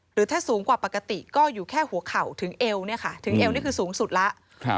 หรือถ้าสูงกว่าปกติก็อยู่แค่หัวเข่าถึงเอวเนี่ยค่ะถึงเอวนี่คือสูงสุดแล้ว